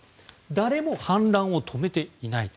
誰も反乱を止めていないと。